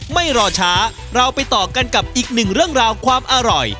ไม่รอช้าเราไปต่อกันกับอีกหนึ่งเรื่องราวความอร่อย